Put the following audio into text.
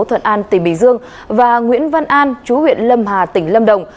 thuận an tỉnh bình dương và nguyễn văn an chú huyện lâm hà tỉnh lâm đồng